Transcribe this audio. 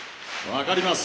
分かります。